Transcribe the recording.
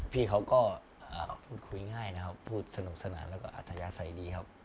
พี่เขาก็พูดคุยง่ายนะครับพูดสนุกสนานแล้วก็อัธยาศัยดีครับ